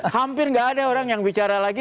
hampir nggak ada orang yang bicara lagi